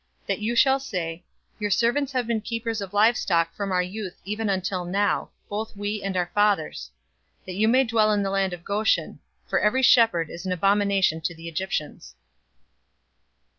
046:034 that you shall say, 'Your servants have been keepers of livestock from our youth even until now, both we, and our fathers:' that you may dwell in the land of Goshen; for every shepherd is an abomination to the Egyptians."